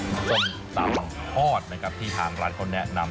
ศ่ำตาลพอดนะครับที่ทางร้านเขาแนะนำ